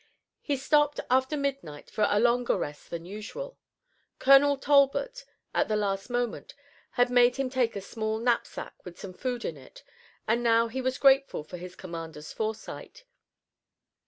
He stopped after midnight for a longer rest than usual. Colonel Talbot, at the last moment, had made him take a small knapsack with some food in it, and now he was grateful for his commander's foresight.